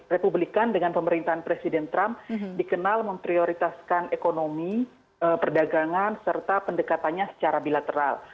republikan dengan pemerintahan presiden trump dikenal memprioritaskan ekonomi perdagangan serta pendekatannya secara bilateral